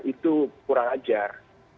itu kurang ajar